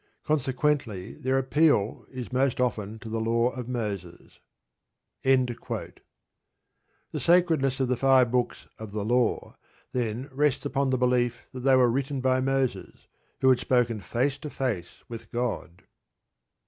Consequently, their appeal is most often to the Law of Moses. The sacredness of the five books of "The Law," then, rests upon the belief that they were written by Moses, who had spoken face to face with God.